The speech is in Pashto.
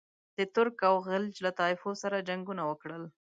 د ترک او خلج له طایفو سره جنګونه وکړل.